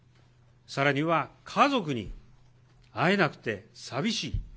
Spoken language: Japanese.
さらには家族に会えなくて寂しい。